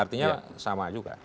artinya sama juga